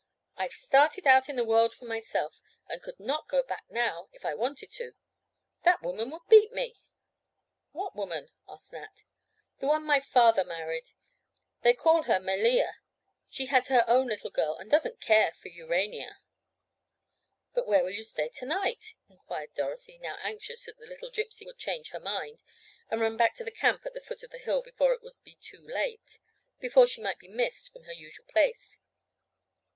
I've started out in the world for myself, and could not go back now if I wanted to. That woman would beat me." "What woman?" Nat asked. "The one my father married. They call her Melea. She has her own little girl and doesn't care for Urania." "But where will you stay to night?" inquired Dorothy, now anxious that the little Gypsy would change her mind, and run back to the camp at the foot of the hill before it would be too late—before she might be missed from her usual place.